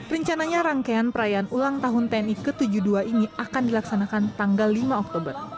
rencananya rangkaian perayaan ulang tahun tni ke tujuh puluh dua ini akan dilaksanakan tanggal lima oktober